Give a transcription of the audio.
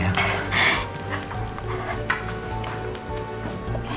iya juga ya